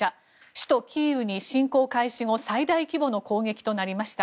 首都キーウに侵攻開始後最大規模の攻撃となりました。